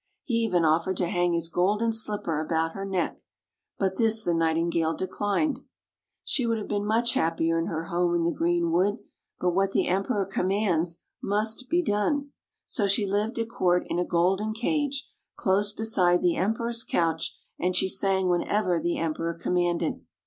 He even offered to hang his golden slipper about her neck. But this the Nightingale declined. She would have been much happier in her home in the green wood, but what the Em peror commands must he done. So she lived at coui't in a golden cage, close beside the Emperor's couch, and she sang whenever the Emperor commanded.